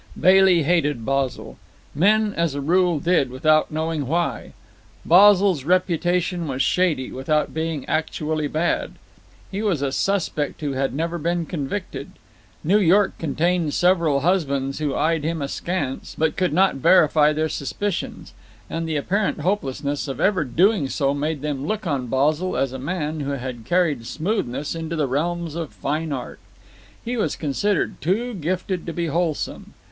Bailey hated Basil. Men, as a rule, did, without knowing why. Basil's reputation was shady, without being actually bad. He was a suspect who had never been convicted. New York contained several husbands who eyed him askance, but could not verify their suspicions, and the apparent hopelessness of ever doing so made them look on Basil as a man who had carried smoothness into the realms of fine art. He was considered too gifted to be wholesome.